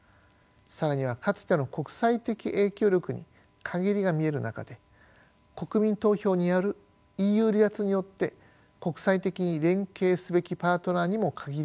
更にはかつての国際的影響力に陰りが見える中で国民投票によるＥＵ離脱によって国際的に連携すべきパートナーにも限りがあります。